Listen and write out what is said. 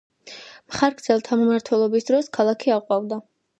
მხარგრძელთა მმართველობის დროს ქალაქი აყვავდა.